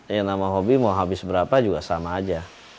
ya nama hobi mau habis berapa juga sama aja